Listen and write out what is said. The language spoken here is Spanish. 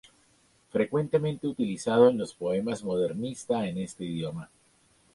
Frecuentemente utilizado en los poemas modernista en este idioma.